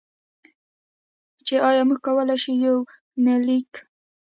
چې ایا موږ کولی شو، په یونلیک کې.